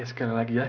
sekali lagi ya